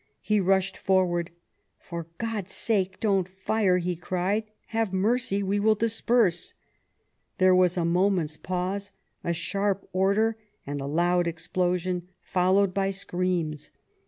He rushed forward. "For God's sake don't fire!" he cried. "Have mercy! We will disperse." There was a moment's pause, a sharp order and a loud explosion, followed by screams.